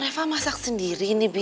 reva masak sendiri nih bi